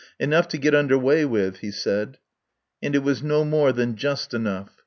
Enough to get under way with, he said. And it was no more than just enough.